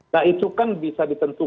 nah itu kan bisa ditentukan